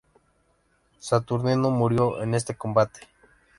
Saturnino murió en este combate.